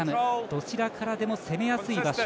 どちらからでも攻めやすい場所。